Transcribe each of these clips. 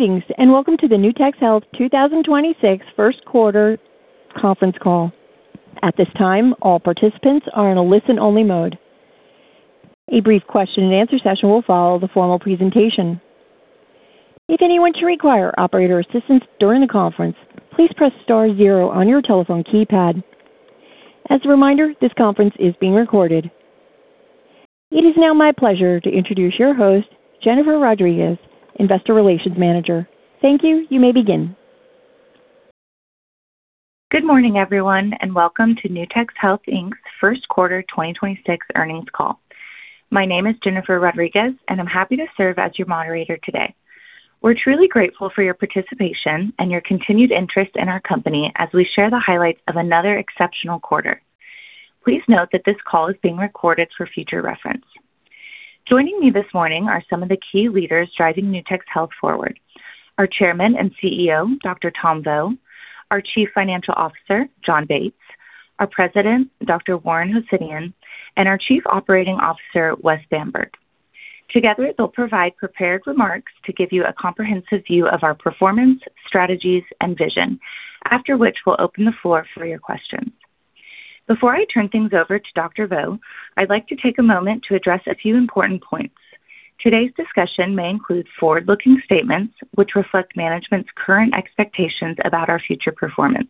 Greetings, welcome to the Nutex Health 2026 first quarter conference call. At this time, all participants are in a listen-only mode. A brief question and answer session will follow the formal presentation. If anyone should require operator assistance during the conference, please press star zero on your telephone keypad. As a reminder, this conference is being recorded. It is now my pleasure to introduce your host, Jennifer Rodriguez, Investor Relations Manager. Thank you. You may begin. Good morning, everyone, and welcome to Nutex Health Inc.'s first quarter 2026 earnings call. My name is Jennifer Rodriguez, and I'm happy to serve as your moderator today. We're truly grateful for your participation and your continued interest in our company as we share the highlights of another exceptional quarter. Please note that this call is being recorded for future reference. Joining me this morning are some of the key leaders driving Nutex Health forward. Our Chairman and CEO, Dr. Tom Vo, our Chief Financial Officer, Jon Bates, our President, Dr. Warren Hosseinion, and our Chief Operating Officer, Wesley Bamburg. Together, they'll provide prepared remarks to give you a comprehensive view of our performance, strategies, and vision, after which we'll open the floor for your questions. Before I turn things over to Dr. Vo, I'd like to take a moment to address a few important points. Today's discussion may include forward-looking statements which reflect management's current expectations about our future performance.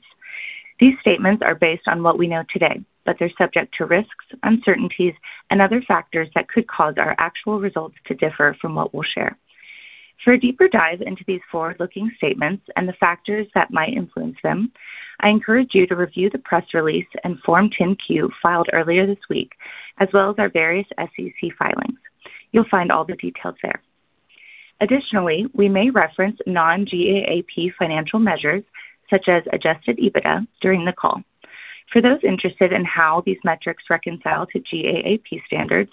These statements are based on what we know today, but they're subject to risks, uncertainties, and other factors that could cause our actual results to differ from what we'll share. For a deeper dive into these forward-looking statements and the factors that might influence them, I encourage you to review the press release and Form 10-Q filed earlier this week, as well as our various SEC filings. You'll find all the details there. Additionally, we may reference non-GAAP financial measures, such as adjusted EBITDA, during the call. For those interested in how these metrics reconcile to GAAP standards,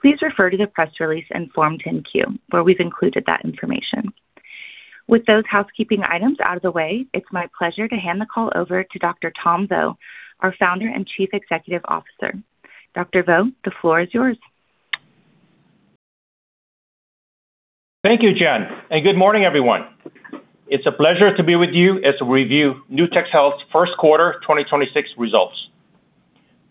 please refer to the press release and Form 10-Q, where we've included that information. With those housekeeping items out of the way, it's my pleasure to hand the call over to Dr. Tom Vo, our Founder and Chief Executive Officer. Dr. Vo, the floor is yours. Thank you, Jen, and good morning, everyone. It's a pleasure to be with you as we review Nutex Health's first quarter 2026 results.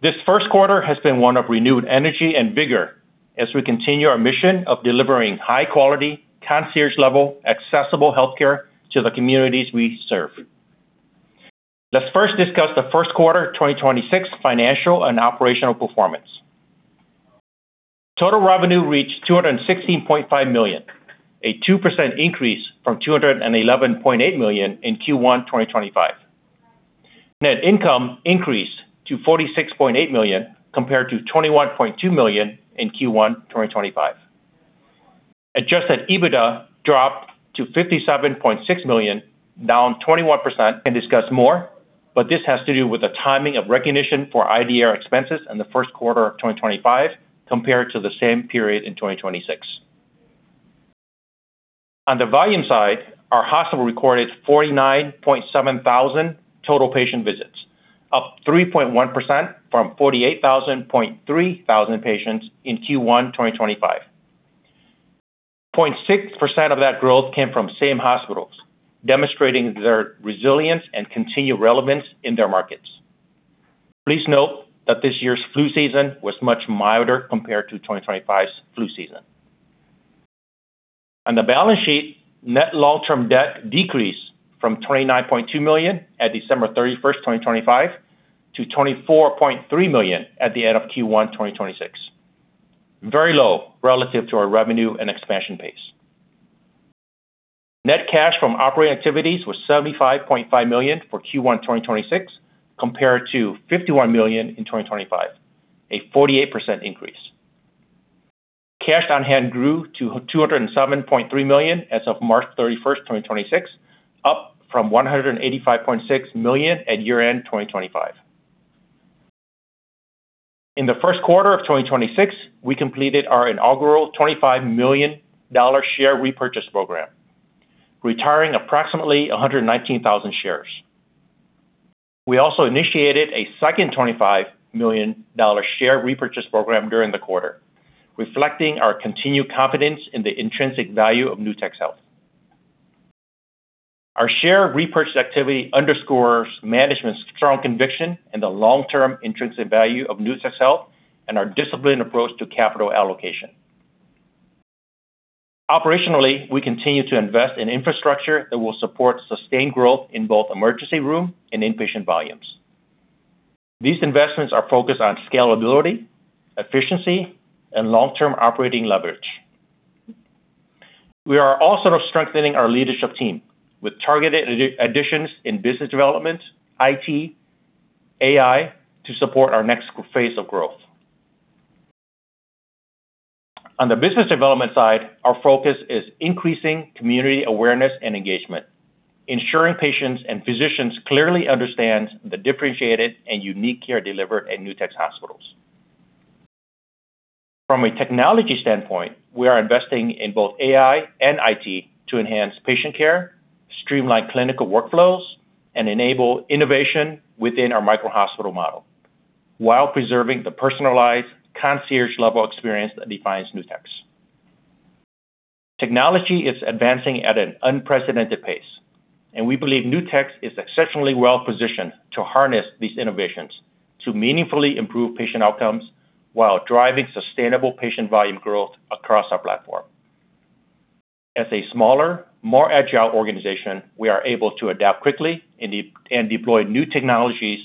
This first quarter has been one of renewed energy and vigor as we continue our mission of delivering high-quality, concierge-level, accessible healthcare to the communities we serve. Let's first discuss the first quarter of 2026 financial and operational performance. Total revenue reached $216.5 million, a 2% increase from $211.8 million in Q1 2025. Net income increased to $46.8 million compared to $21.2 million in Q1 2025. Adjusted EBITDA dropped to $57.6 million, down 21%, and discuss more, but this has to do with the timing of recognition for IDR expenses in the first quarter of 2025 compared to the same period in 2026. On the volume side, our hospital recorded 49.7 thousand, Total patient visits, up 3.1% from 48.3 thousand patients in Q1 2025. 0.6% of that growth came from same hospitals, demonstrating their resilience and continued relevance in their markets. Please note that this year's flu season was much milder compared to 2025's flu season. On the balance sheet, net long-term debt decreased from $29.2 million at December 31, 2025 to $24.3 million at the end of Q1 2026. Very low relative to our revenue and expansion base. Net cash from operating activities was $75.5 million for Q1 2026 compared to $51 million in 2025, a 48% increase. Cash on hand grew to $207.3 million as of March 31, 2026, up from $185.6 million at year-end 2025. In the first quarter of 2026, we completed our inaugural $25 million share repurchase program, retiring approximately 119,000 shares. We also initiated a second $25 million share repurchase program during the quarter, reflecting our continued confidence in the intrinsic value of Nutex Health. Our share repurchase activity underscores management's strong conviction in the long-term intrinsic value of Nutex Health and our disciplined approach to capital allocation. Operationally, we continue to invest in infrastructure that will support sustained growth in both emergency room and inpatient volumes. These investments are focused on scalability, efficiency, and long-term operating leverage. We are also strengthening our leadership team with targeted additions in business development, IT, AI to support our next phase of growth. On the business development side, our focus is increasing community awareness and engagement, ensuring patients and physicians clearly understand the differentiated and unique care delivered at Nutex hospitals. From a technology standpoint, we are investing in both AI and IT to enhance patient care, streamline clinical workflows, and enable innovation within our micro-hospital model. While preserving the personalized, concierge-level experience that defines Nutex. Technology is advancing at an unprecedented pace, we believe Nutex is exceptionally well-positioned to harness these innovations to meaningfully improve patient outcomes while driving sustainable patient volume growth across our platform. As a smaller, more agile organization, we are able to adapt quickly and deploy new technologies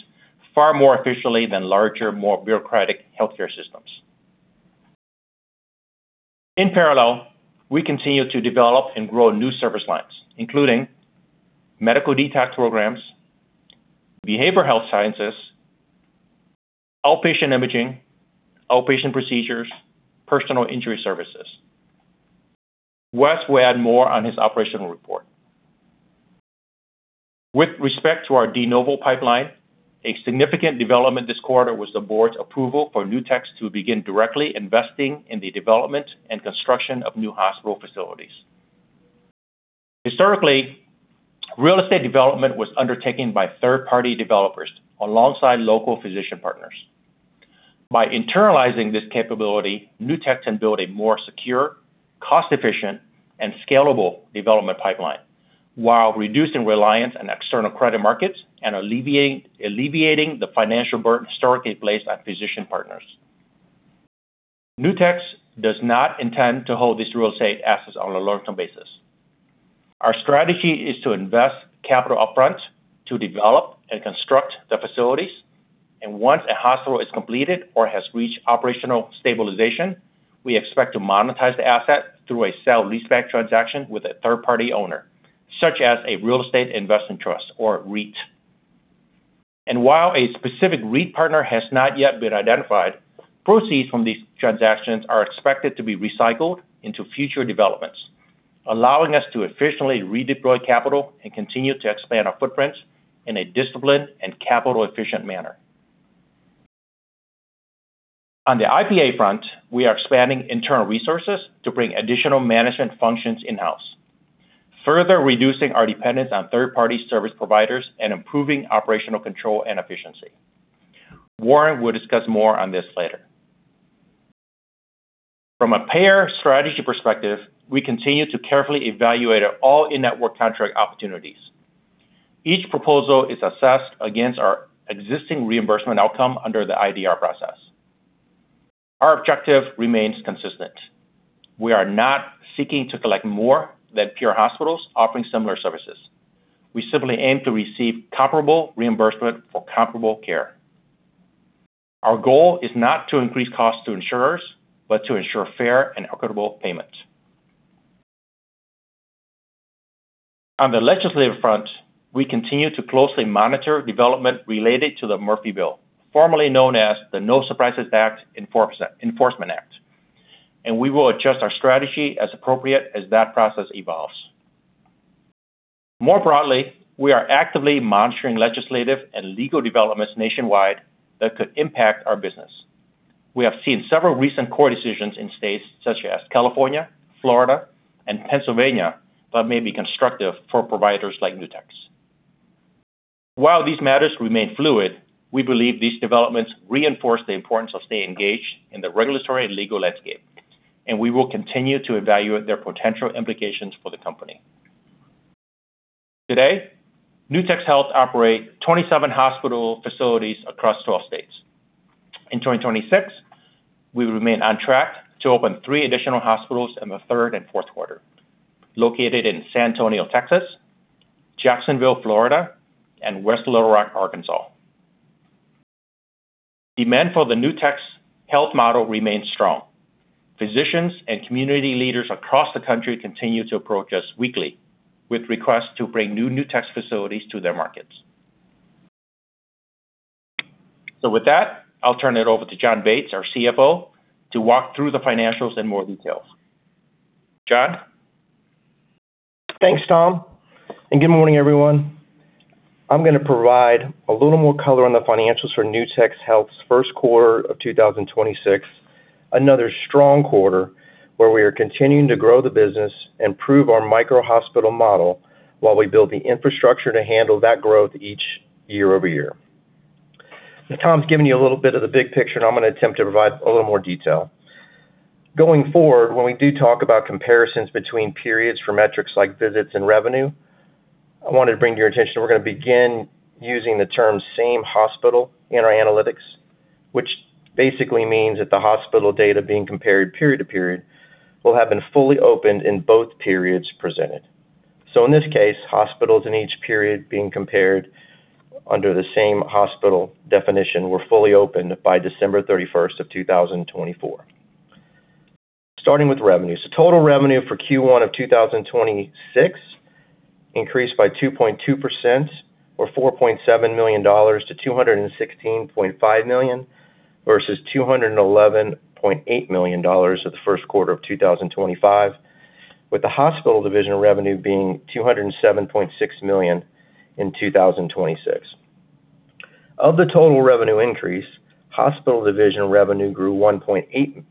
far more efficiently than larger, more bureaucratic healthcare systems. In parallel, we continue to develop and grow new service lines, including medical detox programs, behavioral health services, outpatient imaging, outpatient procedures, personal injury services. Wes will add more on his operational report. With respect to our de novo pipeline, a significant development this quarter was the board's approval for Nutex to begin directly investing in the development and construction of new hospital facilities. Historically, real estate development was undertaken by third-party developers alongside local physician partners. By internalizing this capability, Nutex can build a more secure, cost-efficient, and scalable development pipeline while reducing reliance on external credit markets and alleviating the financial burden historically placed on physician partners. Nutex does not intend to hold these real estate assets on a long-term basis. Our strategy is to invest capital upfront to develop and construct the facilities, and once a hospital is completed or has reached operational stabilization, we expect to monetize the asset through a sale-leaseback transaction with a third-party owner, such as a real estate investment trust or REIT. While a specific REIT partner has not yet been identified, proceeds from these transactions are expected to be recycled into future developments, allowing us to efficiently redeploy capital and continue to expand our footprint in a disciplined and capital-efficient manner. On the IPA front, we are expanding internal resources to bring additional management functions in-house, further reducing our dependence on third-party service providers and improving operational control and efficiency. Warren will discuss more on this later. From a payer strategy perspective, we continue to carefully evaluate all in-network contract opportunities. Each proposal is assessed against our existing reimbursement outcome under the IDR process. Our objective remains consistent. We are not seeking to collect more than pure hospitals offering similar services. We simply aim to receive comparable reimbursement for comparable care. Our goal is not to increase costs to insurers, but to ensure fair and equitable payments. On the legislative front, we continue to closely monitor development related to the Murphy Bill, formerly known as the No Surprises Act Enforcement Act, and we will adjust our strategy as appropriate as that process evolves. More broadly, we are actively monitoring legislative and legal developments nationwide that could impact our business. We have seen several recent court decisions in states such as California, Florida, and Pennsylvania that may be constructive for providers like Nutex. While these matters remain fluid, we believe these developments reinforce the importance of staying engaged in the regulatory and legal landscape, and we will continue to evaluate their potential implications for the company. Today, Nutex Health operate 27 hospital facilities across 12 states. In 2026, we remain on track to open three additional hospitals in the third and fourth quarter, located in San Antonio, Texas, Jacksonville, Florida, and West Little Rock, Arkansas. Demand for the Nutex Health model remains strong. Physicians and community leaders across the country continue to approach us weekly with requests to bring new Nutex facilities to their markets. With that, I'll turn it over to Jon Bates, our CFO, to walk through the financials in more detail. Jon? Thanks, Tom, and good morning, everyone. I'm gonna provide a little more color on the financials for Nutex Health's first quarter of 2026, another strong quarter where we are continuing to grow the business and prove our micro-hospital model while we build the infrastructure to handle that growth each year-over-year. Now, Tom's given you a little bit of the big picture, and I'm gonna attempt to provide a little more detail. Going forward, when we do talk about comparisons between periods for metrics like visits and revenue, I wanted to bring to your attention, we're gonna begin using the term same hospital in our analytics, which basically means that the hospital data being compared period-to-period will have been fully opened in both periods presented. In this case, hospitals in each period being compared under the same hospital definition were fully opened by December 31st of 2024. Starting with revenue. Total revenue for Q1 of 2026 increased by 2.2% or $4.7 million to $216.5 million versus $211.8 million for the first quarter of 2025, with the hospital division revenue being $207.6 million in 2026. Of the total revenue increase, hospital division revenue grew 1.8%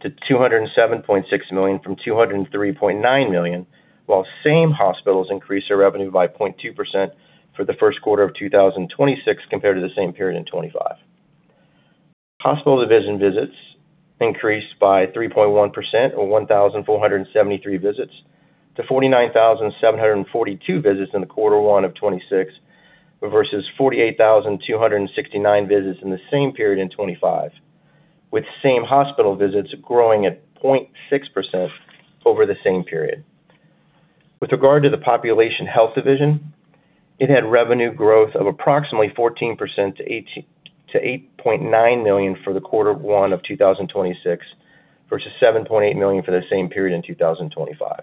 to $207.6 million from $203.9 million, while same hospitals increased their revenue by 0.2% for the first quarter of 2026 compared to the same period in 2025. Hospital division visits increased by 3.1% or 1,473 visits to 49,742 visits in Q1 2026 versus 48,269 visits in the same period in 2025, with same hospital visits growing at 0.6% over the same period. With regard to the population health division, it had revenue growth of approximately 14% to $8.9 million for Q1 2026 versus $7.8 million for the same period in 2025.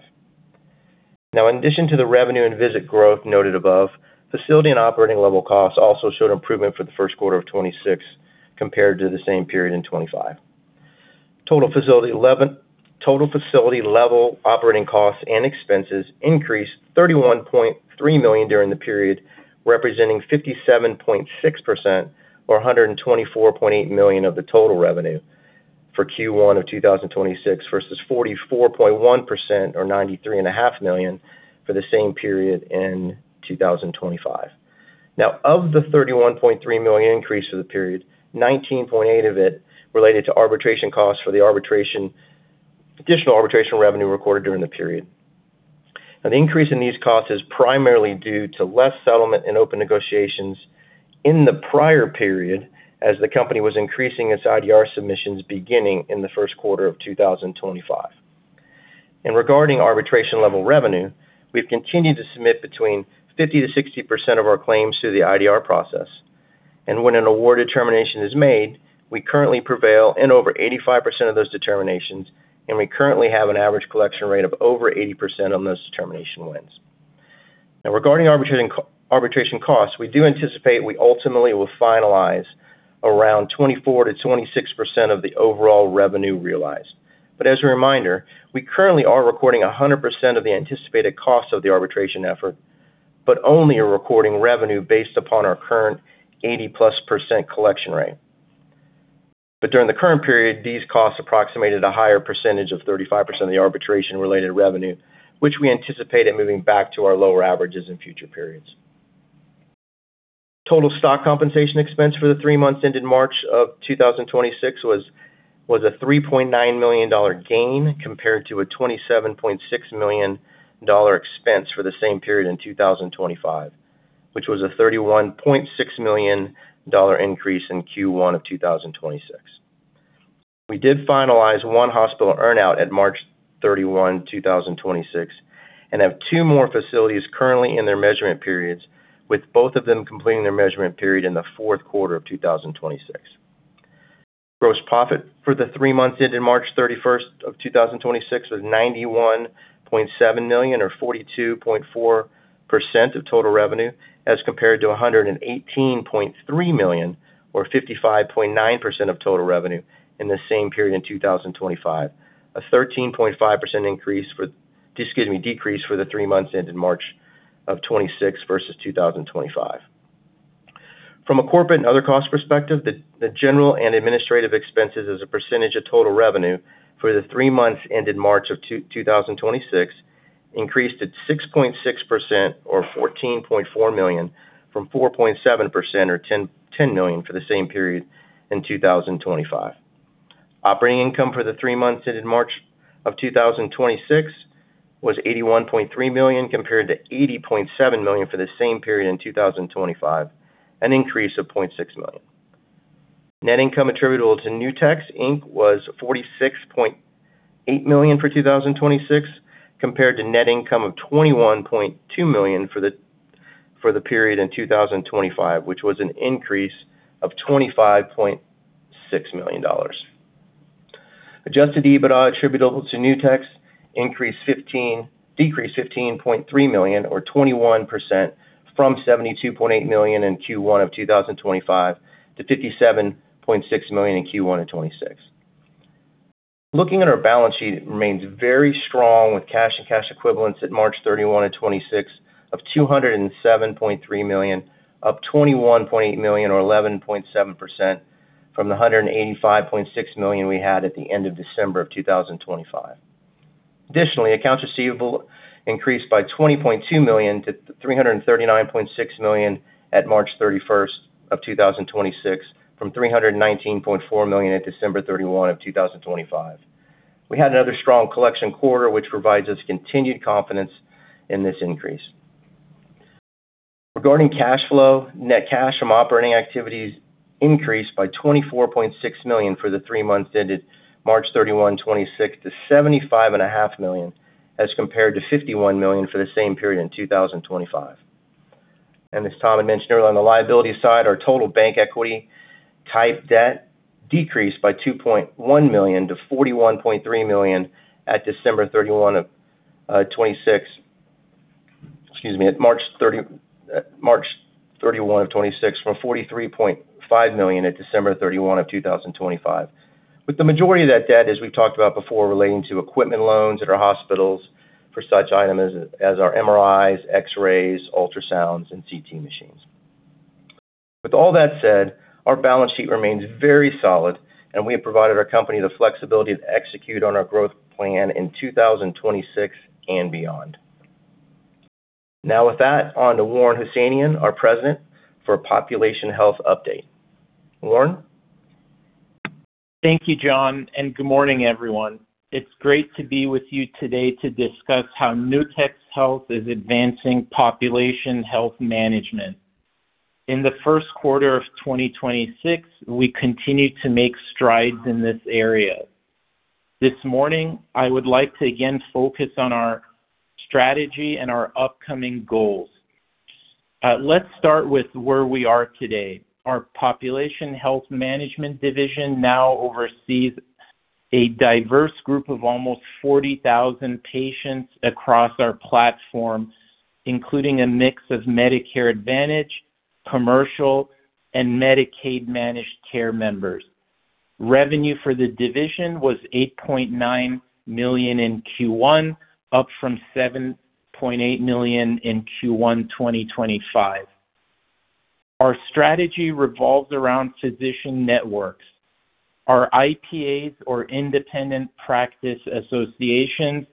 In addition to the revenue and visit growth noted above, facility and operating level costs also showed improvement for the first quarter of 2026 compared to the same period in 2025. Total facility level operating costs and expenses increased $31.3 million during the period, representing 57.6% or $124.8 million of the total revenue for Q1 2026 versus 44.1% or $93.5 million for the same period in 2025. Of the $31.3 million increase for the period, $19.8 million of it related to arbitration costs for additional arbitration revenue recorded during the period. An increase in these costs is primarily due to less settlement in open negotiations in the prior period as the company was increasing its IDR submissions beginning in the first quarter 2025. Regarding arbitration level revenue, we've continued to submit between 50%-60% of our claims through the IDR process. When an award determination is made, we currently prevail in over 85% of those determinations, and we currently have an average collection rate of over 80% on those determination wins. Regarding arbitration costs, we do anticipate we ultimately will finalize around 24%-26% of the overall revenue realized. As a reminder, we currently are recording 100% of the anticipated cost of the arbitration effort, but only are recording revenue based upon our current 80%+ collection rate. During the current period, these costs approximated a higher % of 35% of the arbitration-related revenue, which we anticipate in moving back to our lower averages in future periods. Total stock compensation expense for the three months ended March of 2026 was a $3.9 million gain compared to a $27.6 million expense for the same period in 2025, which was a $31.6 million increase in Q1 of 2026. We did finalize one hospital earn-out at March 31, 2026, and have two more facilities currently in their measurement periods, with both of them completing their measurement period in the fourth quarter of 2026. Gross profit for the three months ended March 31st of 2026 was $91.7 million or 42.4% of total revenue as compared to $118.3 million or 55.9% of total revenue in the same period in 2025. A 13.5% decrease for the three months ended March of 2026 versus 2025. From a corporate and other cost perspective, the general and administrative expenses as a percentage of total revenue for the three months ended March of 2026 increased at 6.6% or $14.4 million from 4.7% or $10 million for the same period in 2025. Operating income for the three months ended March of 2026 was $81.3 million compared to $80.7 million for the same period in 2025, an increase of $0.6 million. Net income attributable to Nutex Inc was $46.8 million for 2026 compared to net income of $21.2 million for the period in 2025, which was an increase of $25.6 million. Adjusted EBITDA attributable to Nutex decreased $15.3 million or 21% from $72.8 million in Q1 of 2025 to $57.6 million in Q1 of 2026. Looking at our balance sheet, it remains very strong with cash and cash equivalents at March 31, 2026 of $207.3 million, up $21.8 million or 11.7% from the $185.6 million we had at the end of December 2025. Additionally, accounts receivable increased by $20.2 million-$339.6 million at March 31, 2026 from $319.4 million at December 31, 2025. We had another strong collection quarter which provides us continued confidence in this increase. Regarding cash flow, net cash from operating activities increased by $24.6 million for the three months ended March 31, 2026 to $75.5million as compared to $51 million for the same period in 2025. As Tom had mentioned earlier, on the liability side, our total bank equity type debt decreased by $2.1 million to $41.3 million at December 31, 2026. Excuse me, at March 31, 2026 from $43.5 million at December 31, 2025. With the majority of that debt, as we've talked about before, relating to equipment loans at our hospitals for such items as our MRIs, X-rays, ultrasounds, and CT machines. With all that said, our balance sheet remains very solid. We have provided our company the flexibility to execute on our growth plan in 2026 and beyond. With that, on to Warren Hosseinion, our President, for a population health update. Warren? Thank you, Jon, and good morning, everyone. It's great to be with you today to discuss how Nutex Health is advancing population health management. In the first quarter of 2026, we continued to make strides in this area. This morning, I would like to again focus on our strategy and our upcoming goals. Let's start with where we are today. Our population health management division now oversees a diverse group of almost 40,000 patients across our platform, including a mix of Medicare Advantage, commercial, and Medicaid managed care members. Revenue for the division was $8.9 million in Q1, up from $7.8 million in Q1 2025. Our strategy revolves around physician networks. Our IPAs, or Independent Practice Associations,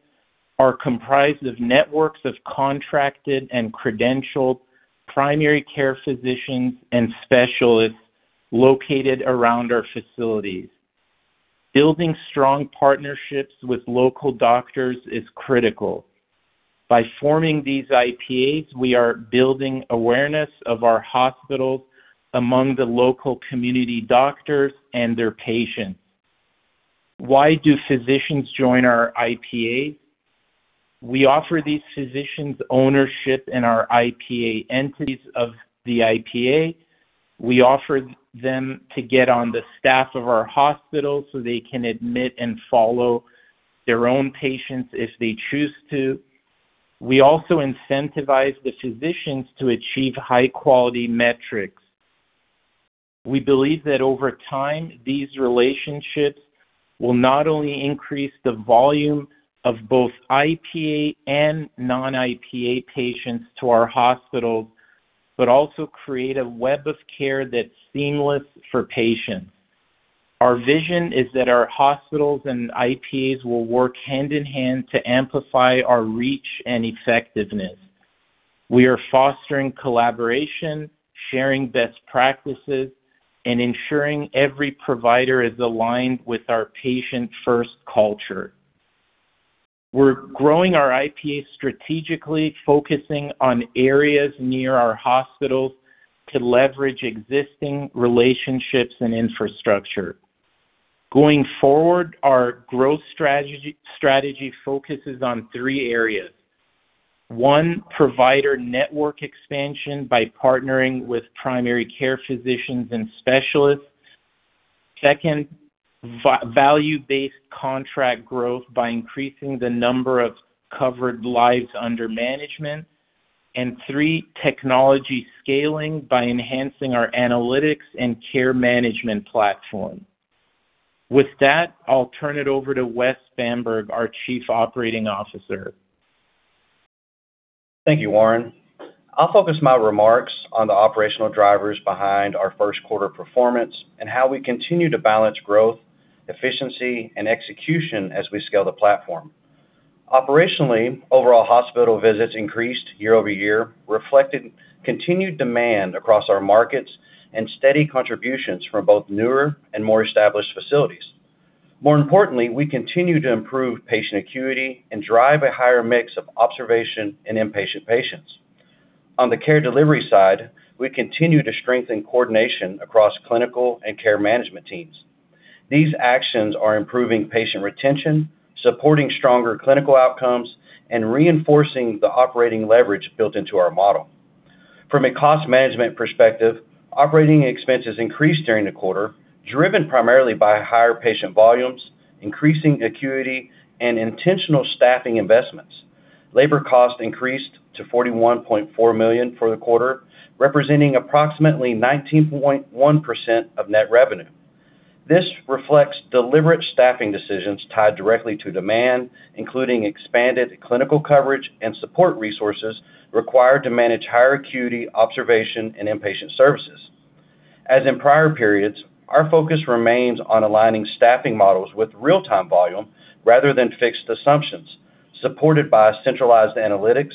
are comprised of networks of contracted and credentialed primary care physicians and specialists located around our facilities. Building strong partnerships with local doctors is critical. By forming these IPAs, we are building awareness of our hospitals among the local community doctors and their patients. Why do physicians join our IPA? We offer these physicians ownership in our IPA entities of the IPA. We offer them to get on the staff of our hospital so they can admit and follow their own patients if they choose to. We also incentivize the physicians to achieve high-quality metrics. We believe that over time, these relationships will not only increase the volume of both IPA and non-IPA patients to our hospitals, but also create a web of care that's seamless for patients. Our vision is that our hospitals and IPAs will work hand in hand to amplify our reach and effectiveness. We are fostering collaboration, sharing best practices, and ensuring every provider is aligned with our patient-first culture. We're growing our IPA strategically, focusing on areas near our hospitals to leverage existing relationships and infrastructure. Going forward, our growth strategy focuses on three areas. One, provider network expansion by partnering with primary care physicians and specialists. Second, value-based contract growth by increasing the number of covered lives under management. Three, technology scaling by enhancing our analytics and care management platform. With that, I'll turn it over to Wesley Bamburg, our Chief Operating Officer. Thank you, Warren. I'll focus my remarks on the operational drivers behind our first quarter performance and how we continue to balance growth, efficiency, and execution as we scale the platform. Operationally, overall hospital visits increased year-over-year, reflecting continued demand across our markets and steady contributions from both newer and more established facilities. More importantly, we continue to improve patient acuity and drive a higher mix of observation and inpatient patients. On the care delivery side, we continue to strengthen coordination across clinical and care management teams. These actions are improving patient retention, supporting stronger clinical outcomes, and reinforcing the operating leverage built into our model. From a cost management perspective, operating expenses increased during the quarter, driven primarily by higher patient volumes, increasing acuity, and intentional staffing investments. Labor cost increased to $41.4 million for the quarter, representing approximately 19.1% of net revenue. This reflects deliberate staffing decisions tied directly to demand, including expanded clinical coverage and support resources required to manage higher acuity observation and inpatient services. As in prior periods, our focus remains on aligning staffing models with real-time volume rather than fixed assumptions, supported by centralized analytics,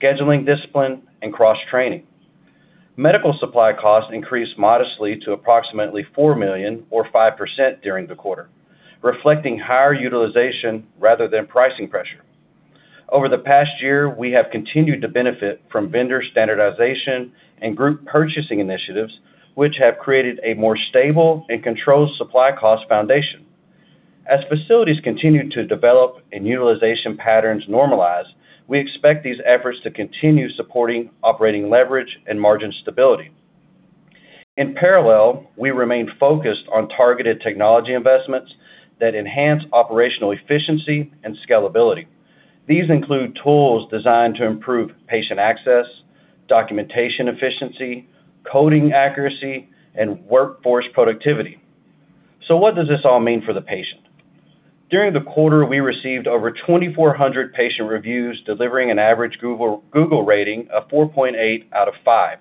scheduling discipline, and cross-training. Medical supply costs increased modestly to approximately $4 million or 5% during the quarter, reflecting higher utilization rather than pricing pressure. Over the past year, we have continued to benefit from vendor standardization and group purchasing initiatives, which have created a more stable and controlled supply cost foundation. As facilities continue to develop and utilization patterns normalize, we expect these efforts to continue supporting operating leverage and margin stability. In parallel, we remain focused on targeted technology investments that enhance operational efficiency and scalability. These include tools designed to improve patient access, documentation efficiency, coding accuracy, and workforce productivity. What does this all mean for the patient? During the quarter, we received over 2,400 patient reviews, delivering an average Google rating of 4.8 out of five.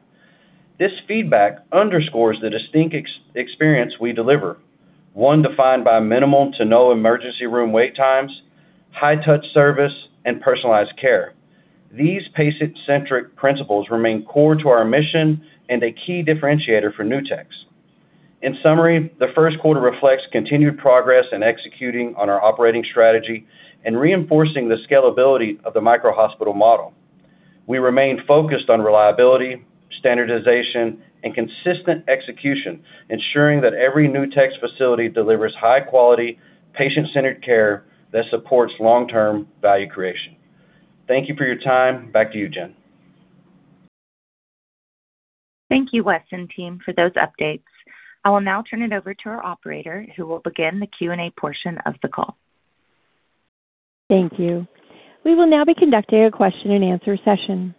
This feedback underscores the distinct experience we deliver. One defined by minimal to no emergency room wait times, high touch service, and personalized care. These patient-centric principles remain core to our mission and a key differentiator for Nutex. In summary, the first quarter reflects continued progress in executing on our operating strategy and reinforcing the scalability of the micro-hospital model. We remain focused on reliability, standardization, and consistent execution, ensuring that every Nutex facility delivers high quality, patient-centered care that supports long-term value creation. Thank you for your time. Back to you, Jen. Thank you, Wes and team, for those updates. I will now turn it over to our operator, who will begin the Q&A portion of the call. Thank you, we will now conduct the question and answer session,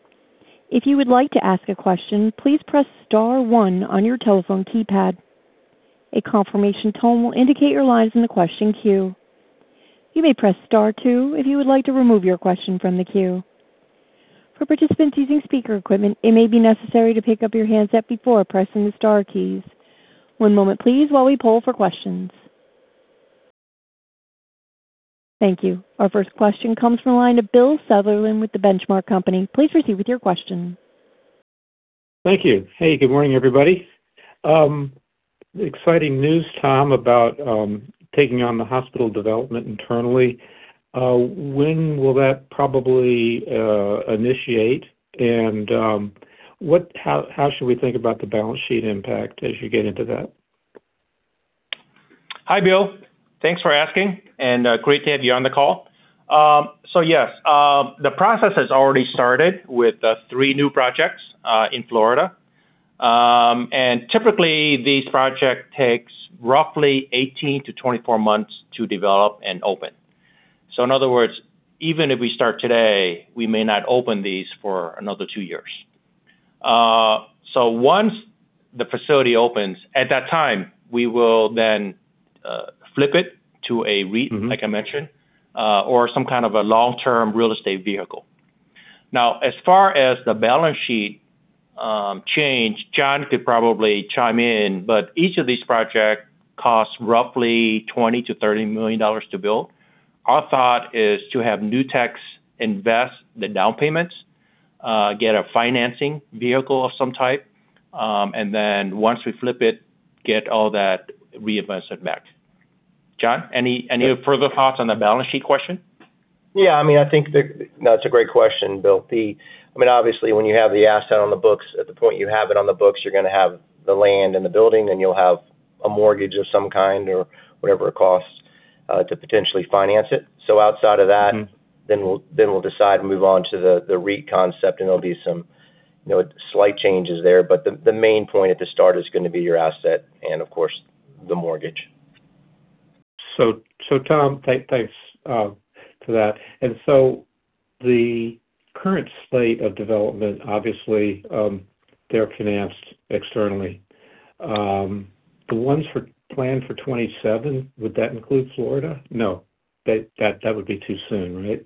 if you would like to ask a question please press star one on your telephone keypad, a confirmation tone indicate your line in the question que. You may press star, two if you would like to remove your question from the que. For participative-equipments it may be necessary to take the headset before pressing the stay keys. One moment please as we poll for questions. Thank you. Our first question comes from the line of Bill Sutherland with The Benchmark Company. Please proceed with your question. Thank you. Hey, good morning, everybody. Exciting news, Tom, about taking on the hospital development internally. When will that probably initiate? How should we think about the balance sheet impact as you get into that? Hi, Bill. Thanks for asking, and great to have you on the call. Yes, the process has already started with the three new projects in Florida. Typically, these project takes roughly 18-24 months to develop and open. In other words, even if we start today, we may not open these for another two years. Once the facility opens, at that time, we will then flip it to a REIT. Mm-hmm Like I mentioned, or some kind of a long-term real estate vehicle. As far as the balance sheet, change, Jon Bates could probably chime in, but each of these project costs roughly $20 million-$30 million to build. Our thought is to have Nutex invest the down payments, get a financing vehicle of some type, and then once we flip it, get all that reimbursement back. Jon Bates, any further thoughts on the balance sheet question? Yeah, I mean, It's a great question, Bill. I mean, obviously, when you have the asset on the books, at the point you have it on the books, you're gonna have the land and the building, and you'll have a mortgage of some kind or whatever it costs to potentially finance it. Outside of that. Mm-hmm Then we'll decide and move on to the REIT concept, and there'll be some, you know, slight changes there. But the main point at the start is gonna be your asset and, of course, the mortgage. Tom, thanks to that. The current state of development, obviously, they're financed externally. The ones for planned for 27, would that include Florida? No. That would be too soon, right?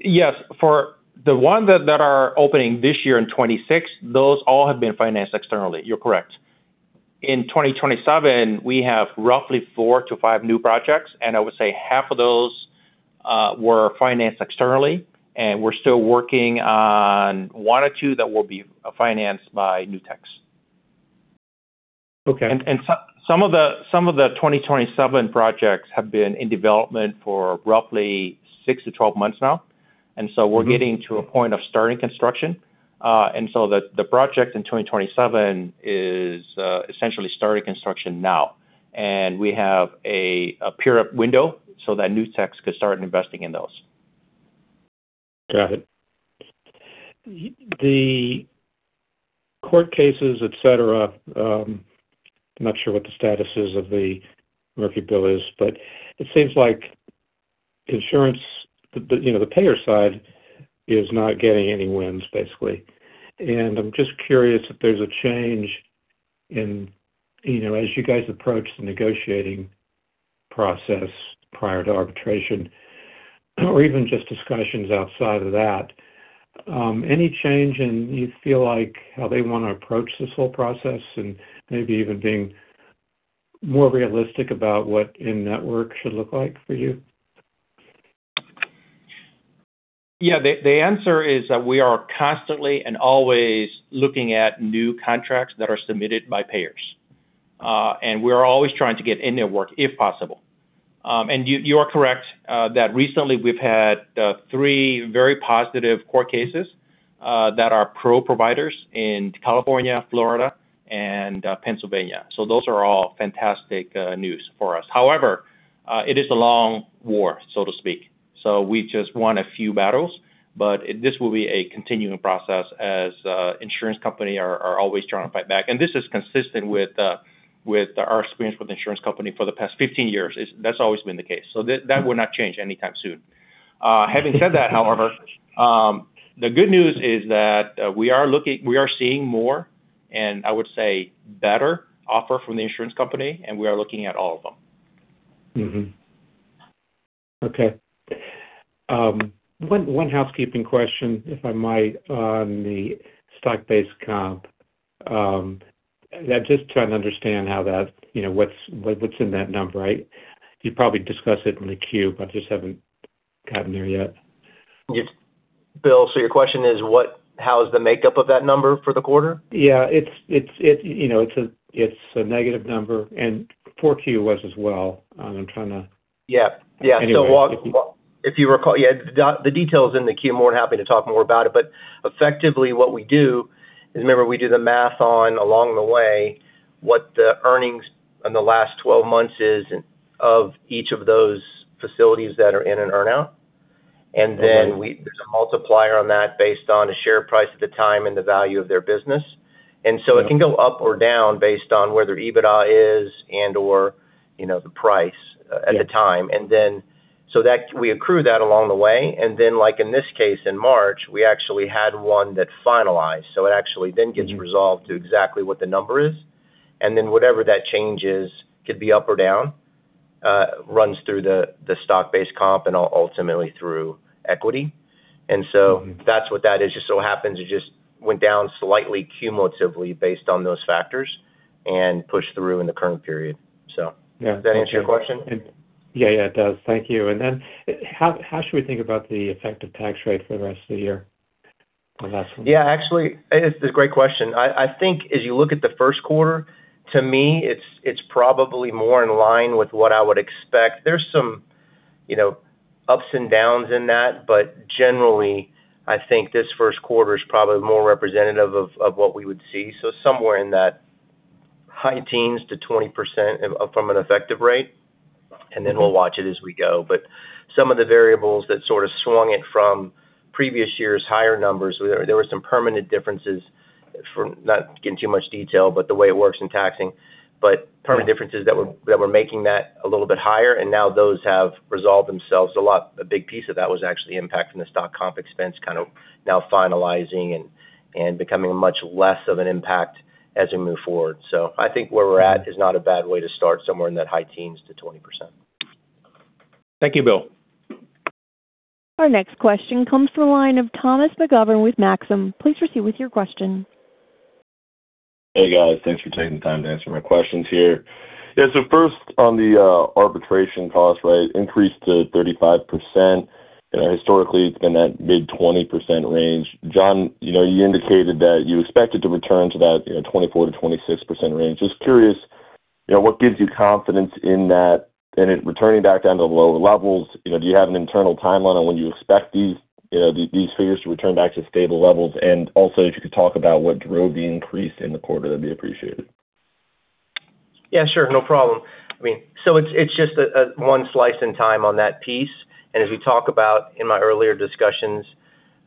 Yes. For the ones that are opening this year in 2026, those all have been financed externally. You're correct. In 2027, we have roughly four to five new projects, and I would say half of those were financed externally, and we're still working on one or two that will be financed by Nutex. Okay. Some of the 2027 projects have been in development for roughly six to 12 months now. Mm-hmm Getting to a point of starting construction. The project in 2027 is essentially starting construction now. We have a peer-up window so that Nutex could start investing in those. Got it. The court cases, et cetera, I'm not sure what the status is of the Murphy bill is, but it seems like insurance, the, you know, the payer side is not getting any wins, basically. I'm just curious if there's a change in, you know, as you guys approach the negotiating process prior to arbitration, or even just discussions outside of that, any change in you feel like how they wanna approach this whole process and maybe even being more realistic about what in-network should look like for you? Yeah. The answer is that we are constantly and always looking at new contracts that are submitted by payers. We are always trying to get in-network if possible. You are correct that recently we've had three very positive court cases that are pro providers in California, Florida, and Pennsylvania. Those are all fantastic news for us. However, it is a long war, so to speak. We just won a few battles, but this will be a continuing process as insurance company are always trying to fight back. This is consistent with our experience with insurance company for the past 15 years. That's always been the case. That will not change anytime soon. Having said that, however, the good news is that, we are seeing more. I would say better offer from the insurance company, and we are looking at all of them. Okay. One housekeeping question, if I might, on the stock-based comp. Yeah, just trying to understand You know, what's in that number, right? You probably discussed it in the queue, I just haven't gotten there yet. Yes. Bill, your question is how is the makeup of that number for the quarter? Yeah. It's, you know, it's a negative number, and 4Q was as well. Yeah. Yeah. Anyway, if you- If you recall. Yeah, the detail is in the queue. More than happy to talk more about it. Effectively, what we do is, remember, we do the math on, along the way, what the earnings in the last 12 months is of each of those facilities that are in an earn-out. Mm-hmm. Then there's a multiplier on that based on the share price at the time and the value of their business. Yeah. It can go up or down based on where their EBITDA is and/or, you know, the price at the time. Yeah. That we accrue that along the way. Like in this case, in March, we actually had one that finalized. It actually then gets resolved to exactly what the number is. Whatever that change is, could be up or down, runs through the stock-based comp and ultimately through equity. Mm-hmm. That's what that is. Just so happens it just went down slightly cumulatively based on those factors and pushed through in the current period. Yeah. Does that answer your question? Yeah, yeah, it does. Thank you. How should we think about the effective tax rate for the rest of the year on that front? Yeah, actually, it's a great question. I think as you look at the first quarter, to me, it's probably more in line with what I would expect. There's some, you know, ups and downs in that. Generally, I think this first quarter is probably more representative of what we would see. Somewhere in that high teens to 20% from an effective rate. Mm-hmm. Then we'll watch it as we go. Some of the variables that sort of swung it from previous years' higher numbers, there were some permanent differences from, not to get into too much detail, but the way it works in taxing. Permanent differences that were making that a little bit higher, and now those have resolved themselves a lot. A big piece of that was actually impacting the stock comp expense, kind of now finalizing and becoming much less of an impact as we move forward. I think where we're at is not a bad way to start, somewhere in that high teens to 20%. Thank you, Bill. Our next question comes from the line of Thomas McGovern with Maxim. Please proceed with your question. Hey, guys. Thanks for taking the time to answer my questions here. First on the arbitration cost rate increase to 35%. You know, historically, it's been that mid 20% range. Jon, you know, you indicated that you expected to return to that, you know, 24%-26% range. Just curious, you know, what gives you confidence in that, in it returning back down to the lower levels? You know, do you have an internal timeline on when you expect these, you know, these figures to return back to stable levels? Also, if you could talk about what drove the increase in the quarter, that'd be appreciated. Yeah, sure. No problem. I mean, it's just a one slice in time on that piece. As we talk about in my earlier discussions,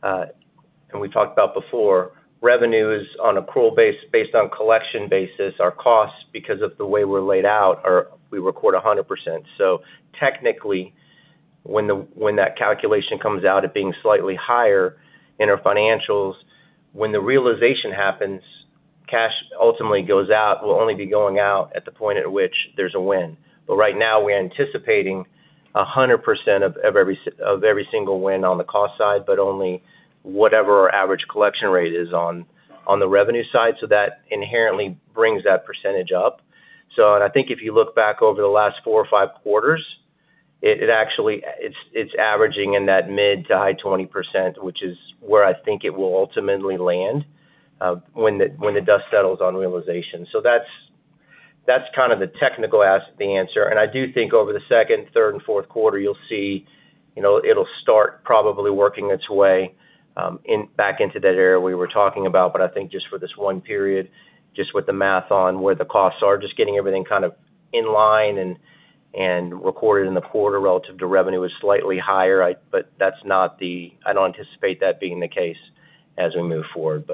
and we talked about before, revenues on accrual base based on collection basis, our costs because of the way we're laid out are we record 100%. Technically, when that calculation comes out at being slightly higher in our financials, when the realization happens, cash ultimately goes out. It will only be going out at the point at which there's a win. Right now, we're anticipating 100% of every single win on the cost side, but only whatever our average collection rate is on the revenue side. That inherently brings that percentage up. I think if you look back over the last four or five quarters, it actually, it's averaging in that mid to high 20%, which is where I think it will ultimately land when the dust settles on realization. That's kind of the technical the answer. I do think over the second, third, and fourth quarter, you'll see, you know, it'll start probably working its way back into that area we were talking about. I think just for this 1 period, just with the math on where the costs are, just getting everything kind of in line and recorded in the quarter relative to revenue is slightly higher. That's not. I don't anticipate that being the case as we move forward.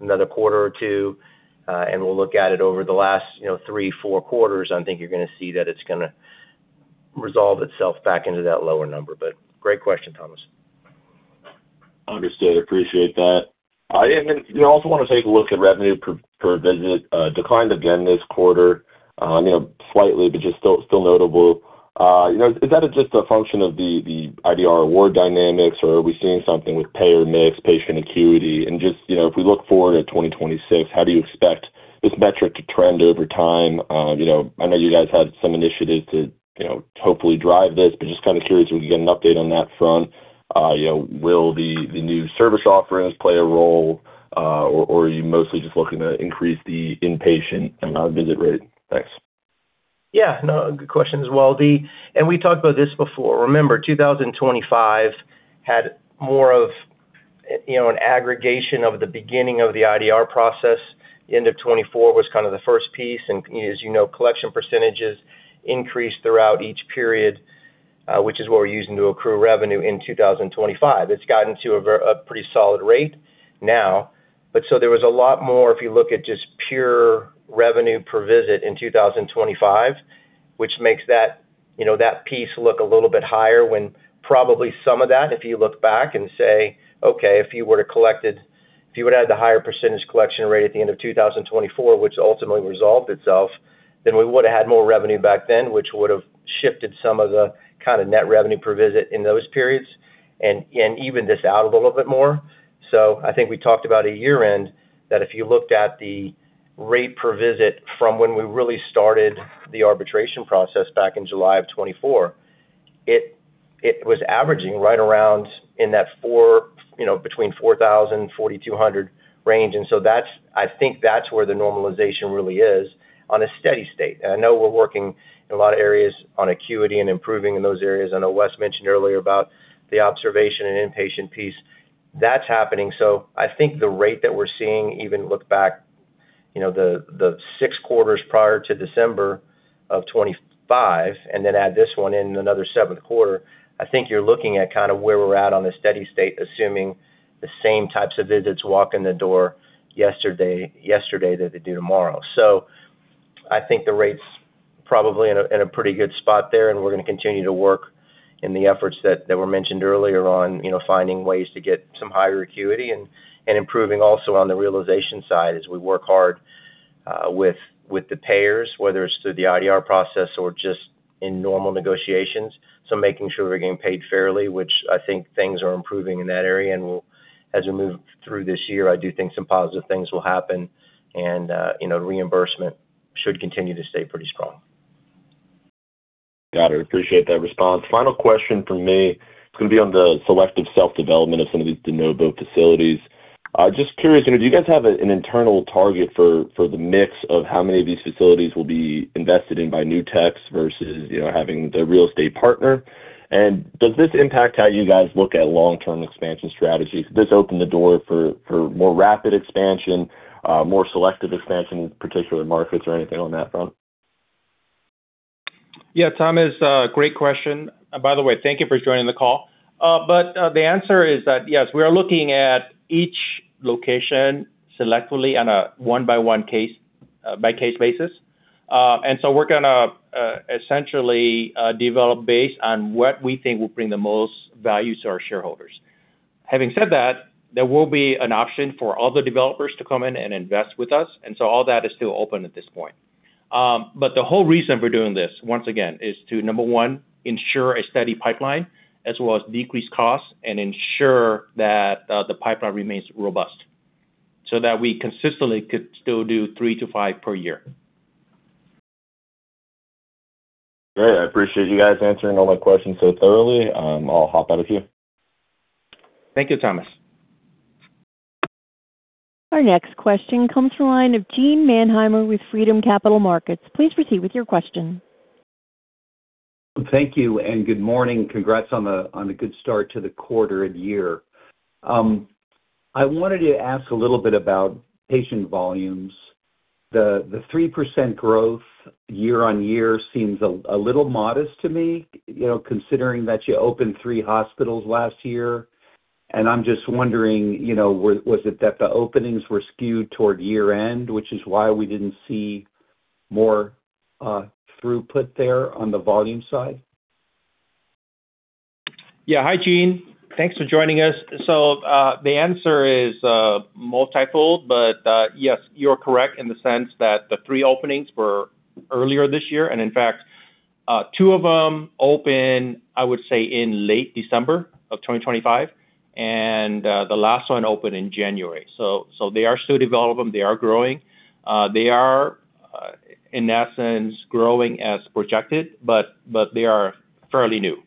Another quarter or two, and we'll look at it over the last, you know, three, four quarters, I think you're gonna see that it's gonna resolve itself back into that lower number. Great question, Thomas. Understood. Appreciate that. Yeah, then also wanna take a look at revenue per visit. Declined again this quarter, you know, slightly, but just still notable. You know, is that just a function of the IDR award dynamics, or are we seeing something with payer mix, patient acuity? Just, you know, if we look forward at 2026, how do you expect this metric to trend over time? You know, I know you guys had some initiatives to, you know, hopefully drive this, but just kind of curious if we can get an update on that front. You know, will the new service offerings play a role, or are you mostly just looking to increase the inpatient visit rate? Thanks. Yeah, no, good question as well, D. We talked about this before. Remember, 2025 had more of, you know, an aggregation of the beginning of the IDR process. End of 2024 was kind of the first piece. As you know, collection percentages increased throughout each period, which is what we're using to accrue revenue in 2025. It's gotten to a pretty solid rate now. There was a lot more, if you look at just pure revenue per visit in 2025, which makes that, you know, that piece look a little bit higher when probably some of that, if you look back and say, okay, if you would had the higher percentage collection rate at the end of 2024, which ultimately resolved itself, then we would've had more revenue back then, which would've shifted some of the kinda net revenue per visit in those periods and evened this out a little bit more. I think we talked about at year-end, that if you looked at the rate per visit from when we really started the arbitration process back in July of 2024, it was averaging right around in that, you know, between the $4,000-$4,200 range. That's I think that's where the normalization really is on a steady state. I know we're working in a lot of areas on acuity and improving in those areas. I know Wes mentioned earlier about the observation and inpatient piece. That's happening. I think the rate that we're seeing, even look back, you know, the six quarters prior to December of 2025, and then add this one in, another seventh quarter, I think you're looking at kinda where we're at on the steady state, assuming the same types of visits walk in the door yesterday that they do tomorrow. I think the rate's probably in a pretty good spot there, and we're gonna continue to work in the efforts that were mentioned earlier on, you know, finding ways to get some higher acuity and improving also on the realization side as we work hard with the payers, whether it's through the IDR process or just in normal negotiations. Making sure we're getting paid fairly, which I think things are improving in that area, as we move through this year, I do think some positive things will happen and, you know, reimbursement should continue to stay pretty strong. Got it. Appreciate that response. Final question from me. It's gonna be on the selective self-development of some of these de novo facilities. Just curious, you know, do you guys have an internal target for the mix of how many of these facilities will be invested in by Nutex versus, you know, having the real estate partner? Does this impact how you guys look at long-term expansion strategies? Does this open the door for more rapid expansion, more selective expansion in particular markets or anything on that front? Yeah, Thomas, great question. By the way, thank you for joining the call. The answer is that, yes, we are looking at each location selectively on a one-by-one case-by-case basis. We're gonna essentially develop based on what we think will bring the most value to our shareholders. Having said that, there will be an option for other developers to come in and invest with us, and so all that is still open at this point. The whole reason we're doing this, once again, is to, number 1, ensure a steady pipeline, as well as decrease costs and ensure that the pipeline remains robust, so that we consistently could still do 3 to 5 per year. Great. I appreciate you guys answering all my questions so thoroughly. I'll hop out of here. Thank you, Thomas. Our next question comes from the line of Gene Mannheimer with Freedom Capital Markets. Please proceed with your question. Thank you. Good morning. Congrats on a good start to the quarter and year. I wanted to ask a little bit about patient volumes. The 3% growth year-on-year seems a little modest to me, you know, considering that you opened three hospitals last year. I'm just wondering, you know, was it that the openings were skewed toward year-end, which is why we didn't see more throughput there on the volume side? Yeah. Hi, Gene. Thanks for joining us. The answer is multifold, but yes, you're correct in the sense that the three openings were earlier this year, and in fact, two of them opened, I would say, in late December of 2025, and the last one opened in January. They are still developing. They are growing. They are, in that sense, growing as projected, but they are fairly new.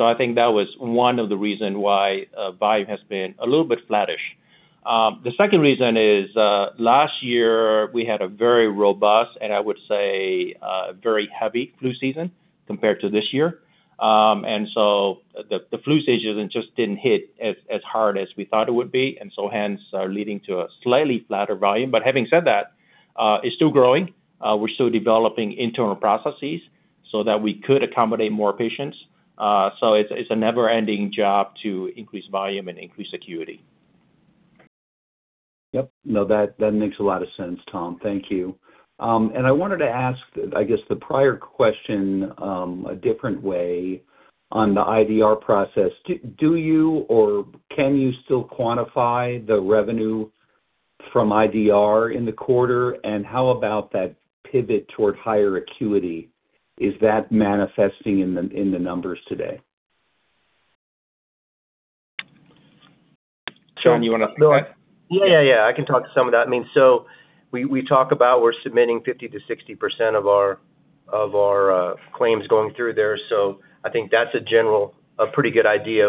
I think that was one of the reason why volume has been a little bit flattish. The second reason is last year we had a very robust and I would say, very heavy flu season compared to this year. The flu season just didn't hit as hard as we thought it would be, and so hence are leading to a slightly flatter volume. Having said that, it's still growing. We're still developing internal processes so that we could accommodate more patients. It's a never-ending job to increase volume and increase acuity. Yep. No, that makes a lot of sense, Tom. Thank you. I wanted to ask, I guess, the prior question a different way on the IDR process. Do you or can you still quantify the revenue from IDR in the quarter? How about that pivot toward higher acuity, is that manifesting in the numbers today? Jon, you wanna take that? Yeah, yeah. I can talk to some of that. I mean, we talk about we're submitting 50%-60% of our claims going through there. I think that's a pretty good idea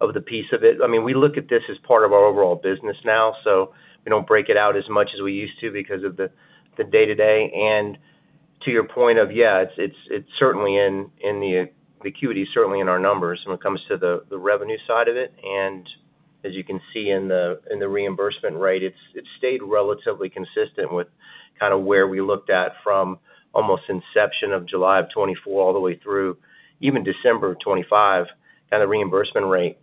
of the piece of it. I mean, we look at this as part of our overall business now, we don't break it out as much as we used to because of the day-to-day. To your point of, yeah, it's certainly in the acuity is certainly in our numbers when it comes to the revenue side of it. As you can see in the reimbursement rate, it's stayed relatively consistent with kinda where we looked at from almost inception of July of 2024 all the way through even December of 2025, kinda reimbursement rate.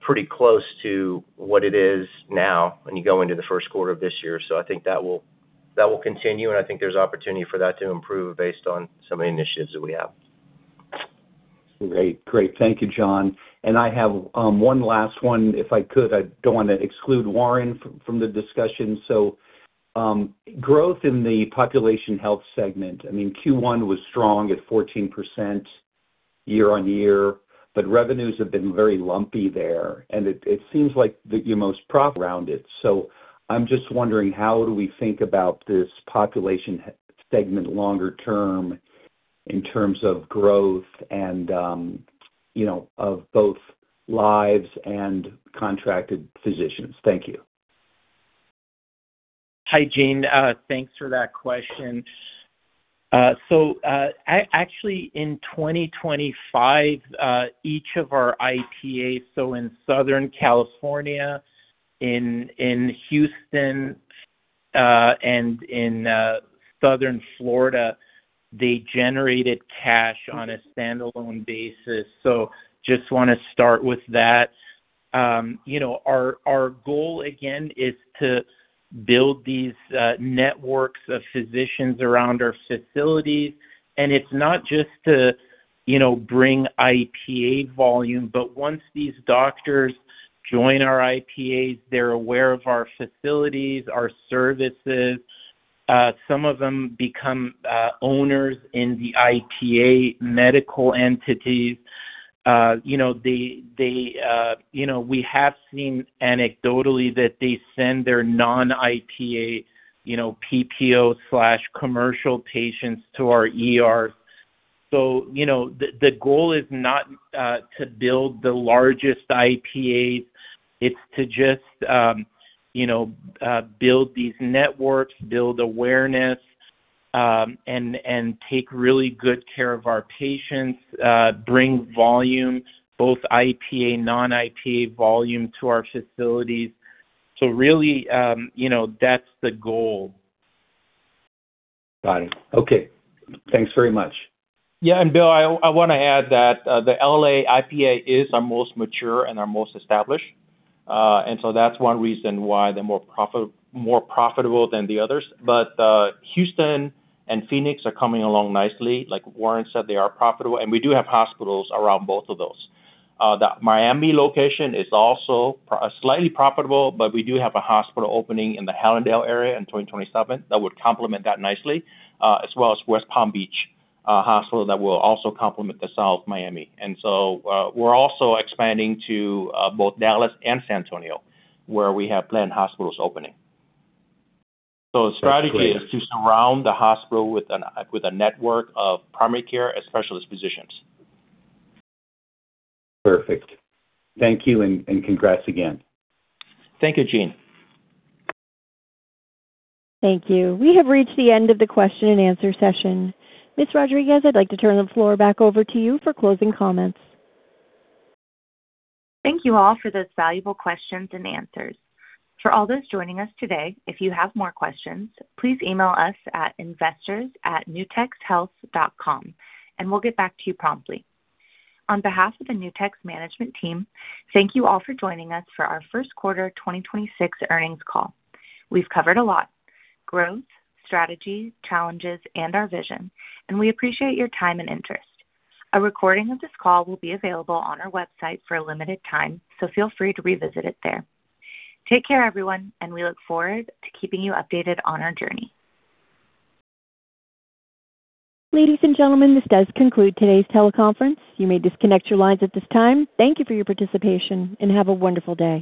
Pretty close to what it is now when you go into the first quarter of this year. I think that will continue, and I think there's opportunity for that to improve based on some of the initiatives that we have. Great. Thank you, Jon. I have one last one, if I could. I don't wanna exclude Warren from the discussion. Growth in the population health segment, I mean, Q1 was strong at 14% year-on-year, but revenues have been very lumpy there. It seems like that you're most profit around it. I'm just wondering, how do we think about this population segment longer term in terms of growth and, you know, of both lives and contracted physicians? Thank you. Hi, Gene. Thanks for that question. Actually, in 2025, each of our IPAs, in Southern California, in Houston, and in Southern Florida, they generated cash on a standalone basis. Just want to start with that. You know, our goal, again, is to build these networks of physicians around our facilities, and it's not just to, you know, bring IPA volume, but once these doctors join our IPAs, they're aware of our facilities, our services. Some of them become owners in the IPA medical entities. You know, they, you know, we have seen anecdotally that they send their non-IPA, you know, PPO/commercial patients to our ER. You know, the goal is not to build the largest IPA. It's to just, you know, build these networks, build awareness, and take really good care of our patients, bring volume, both IPA, non-IPA volume to our facilities. Really, you know, that's the goal. Got it. Okay. Thanks very much. Yeah. Bill, I wanna add that the L.A. IPA is our most mature and our most established, that's one reason why they're more profitable than the others. Houston and Phoenix are coming along nicely. Like Warren said, they are profitable. We do have hospitals around both of those. The Miami location is also slightly profitable. We do have a hospital opening in the Hallandale area in 2027 that would complement that nicely, as well as West Palm Beach, a hospital that will also complement the South Miami. We're also expanding to both Dallas and San Antonio, where we have planned hospitals opening. The strategy is to surround the hospital with a network of primary care and specialist physicians. Perfect. Thank you, and congrats again. Thank you, Gene. Thank you. We have reached the end of the question and answer session. Ms. Rodriguez, I'd like to turn the floor back over to you for closing comments. Thank you all for those valuable questions and answers. For all those joining us today, if you have more questions, please email us at investors@nutexhealth.com, and we'll get back to you promptly. On behalf of the Nutex Health management team, thank you all for joining us for our first quarter 2026 earnings call. We've covered a lot, growth, strategy, challenges, and our vision, and we appreciate your time and interest. A recording of this call will be available on our website for a limited time, so feel free to revisit it there. Take care, everyone, and we look forward to keeping you updated on our journey. Ladies and gentlemen, this does conclude today's teleconference. You may disconnect your lines at this time. Thank you for your participation, and have a wonderful day.